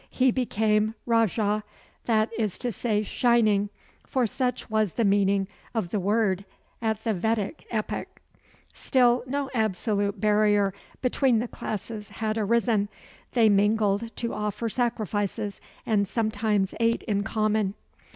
He became "rajah," that is to say "shining," for such was the meaning of the word at the Vedic epoch. Still no absolute barrier between the classes had arisen. They mingled to offer sacrifices, and sometimes ate in common.